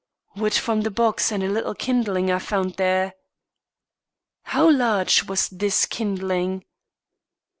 "Wood from the box, and a little kindling I found there." "How large was this kindling?"